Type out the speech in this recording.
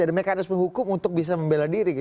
ada mekanisme hukum untuk bisa membela diri